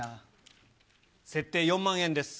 設定４万円です。